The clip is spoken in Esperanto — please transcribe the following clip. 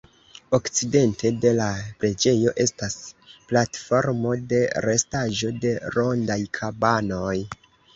Okcidente de la preĝejo estas platformo de restaĵo de rondaj kabanoj.